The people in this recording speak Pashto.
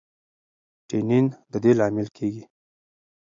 ټینین د دې لامل کېږي.